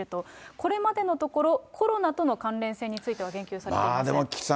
これまでのところ、コロナとの関連性については言及されていません。